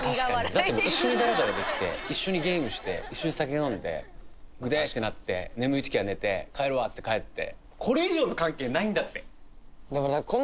だって一緒にダラダラできて一緒にゲームして一緒に酒飲んでグデってなって眠いときは寝て帰るわつって帰って。